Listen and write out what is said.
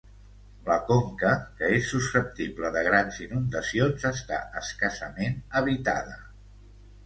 La conca, que és susceptible de grans inundacions, està escassament habitada.